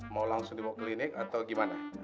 mau langsung dibawa klinik atau gimana